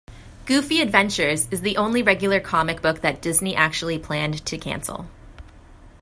Goofy Adventures is the only regular comic book that Disney actually planned to cancel.